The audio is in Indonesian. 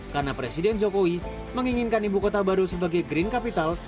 karena presiden jokowi menginginkan ibu kota baru sebagai green capital